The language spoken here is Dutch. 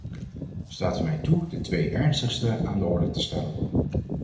Staat u mij toe de twee ernstigste aan de orde te stellen.